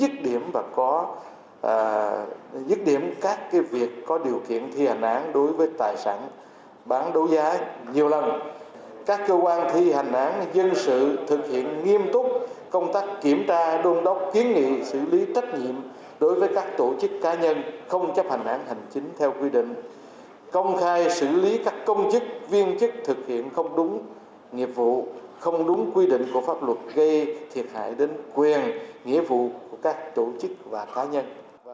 trong năm hai nghìn một mươi tám công tác thi hành án dân sự thi hành án dân sự thực hiện nghiêm túc công tác kiểm tra đôn đốc kiến nghị xử lý trách nhiệm đối với các tổ chức cá nhân không chấp hành án hành chính theo quy định công khai xử lý các công chức viên chức thực hiện không đúng nghiệp vụ không đúng quy định của pháp luật gây thiệt hại đến quyền nghĩa vụ của các tổ chức và cá nhân